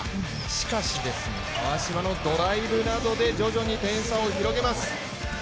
しかし、川島のドライブなどで、徐々に点差を広げます。